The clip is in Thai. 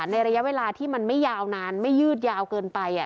ในระยะเวลาที่มันไม่ยาวนานไม่ยืดยาวเกินไป